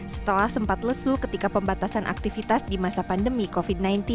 setelah sempat lesu ketika pembatasan aktivitas di masa pandemi covid sembilan belas